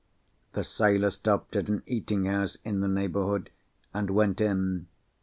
The sailor stopped at an eating house in the neighbourhood, and went in.